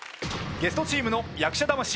ゲストチームの役者魂！